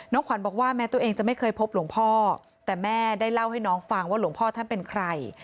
ขวัญบอกว่าแม้ตัวเองจะไม่เคยพบหลวงพ่อแต่แม่ได้เล่าให้น้องฟังว่าหลวงพ่อท่านเป็นใคร